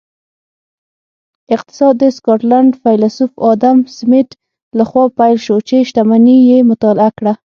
اقتصاد د سکاټلینډ فیلسوف ادم سمیت لخوا پیل شو چې شتمني یې مطالعه کړه